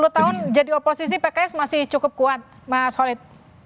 sepuluh tahun jadi oposisi pks masih cukup kuat mas holid